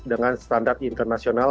dengan standar internasional